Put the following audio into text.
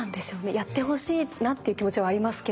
やってほしいなって気持ちはありますけど。